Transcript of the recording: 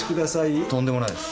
とんでもないです。